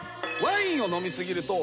ワインを飲み過ぎると。